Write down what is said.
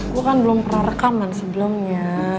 gue kan belum pernah rekaman sebelumnya